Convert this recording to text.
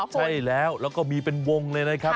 ใช่แล้วแล้วก็มีเป็นวงเลยนะครับ